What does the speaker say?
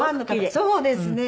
そうですね。